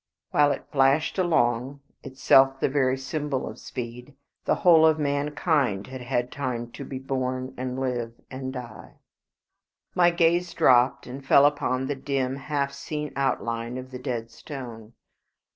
While it flashed along, itself the very symbol of speed, the whole of mankind had had time to be born, and live, and die! My gaze dropped, and fell upon the dim, half seen outline of the Dead Stone.